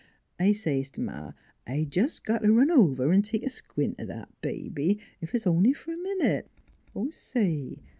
... I says t' Ma, I jest got t' run over V take a squint at that baby, ef it's only f'r a minute. ... Say!